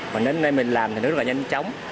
mà đến đây mình làm thì nó rất là nhanh chóng